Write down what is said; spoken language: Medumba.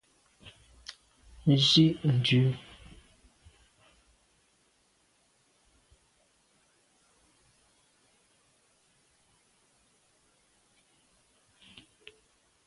Nzwi dù.